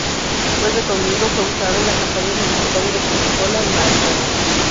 Vuelve Conmigo fue usada en la campaña publicitaria de Coca Cola en Maracaibo